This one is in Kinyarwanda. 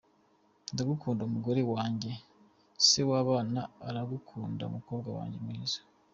Ndagukunda mugore wanjye, se w’abana aragukunda mukobwa wanjye mwiza.